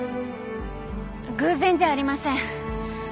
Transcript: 偶然じゃありません。